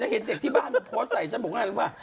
เห็นเด็กที่บ้านพอใส่ฉันบอกงานเลยว่า